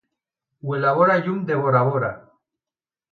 Ho elabora lluny de Bora Bora.